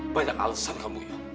banyak alasan kamu ya